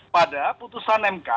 pada putusan mk